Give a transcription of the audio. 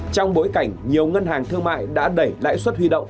trong bối cảnh nhiều ngân hàng thương mại đã đẩy lãi suất huy động